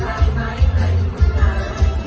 สวัสดีครับ